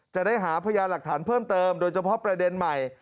จะได้หาพยานหลักฐานเพิ่มเติมโดยเฉพาะประเด็นใหม่